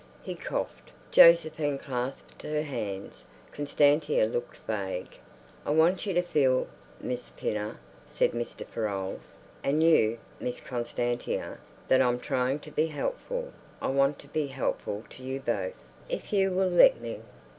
He coughed. Josephine clasped her hands; Constantia looked vague. "I want you to feel, Miss Pinner," said Mr. Farolles, "and you, Miss Constantia, that I'm trying to be helpful. I want to be helpful to you both, if you will let me.